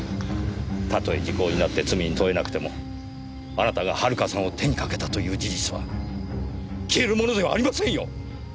たとえ時効になって罪に問えなくてもあなたが遥さんを手にかけたという事実は消えるものではありませんよ！